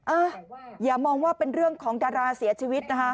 อ่ะอย่ามองว่าเป็นเรื่องของดาราเสียชีวิตนะคะ